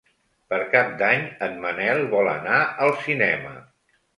Per Cap d'Any en Manel vol anar al cinema.